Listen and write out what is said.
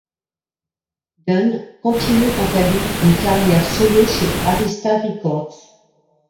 Dunn continue quant à lui une carrière solo chez Arista Records.